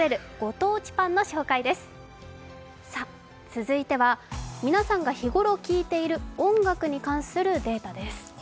続いては、皆さんが日頃聴いている音楽に関するデータです。